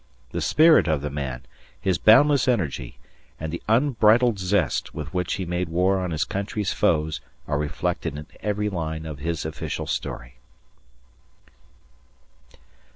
The spirit of the man, his boundless energy, and the unbridled zest with which he made war on his country's foes are reflected in every line of his official story.